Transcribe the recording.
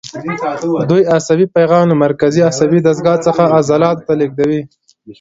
دوی عصبي پیغام له مرکزي عصبي دستګاه څخه عضلاتو ته لېږدوي.